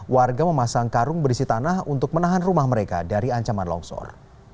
warga memasang karung berisi tanah untuk menahan rumah mereka dari ancaman longsor